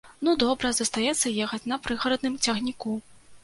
Ну добра, застаецца ехаць на прыгарадным цягніку.